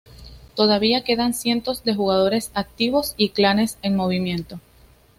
Todavía quedan cientos de jugadores activos y clanes en movimiento.